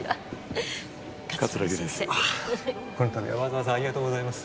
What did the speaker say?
このたびはわざわざありがとうございます